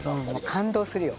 感動するよ。